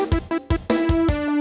lihat dulu ya